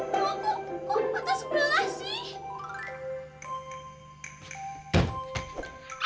kok mata sebelah sih